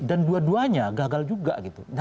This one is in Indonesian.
dan dua duanya gagal juga gitu